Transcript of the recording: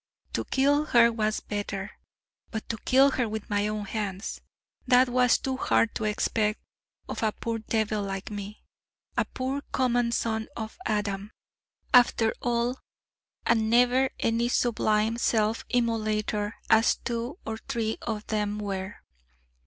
To kill her was better: but to kill her with my own hands that was too hard to expect of a poor devil like me, a poor common son of Adam, after all, and never any sublime self immolator, as two or three of them were.